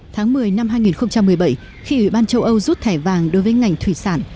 tháng một mươi năm hai nghìn một mươi bảy khi ủy ban châu âu rút thẻ vàng đối với ngành thủy sản